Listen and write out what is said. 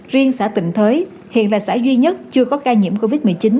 riêng xã tịnh thới hiện là xã duy nhất chưa có ca nhiễm covid một mươi chín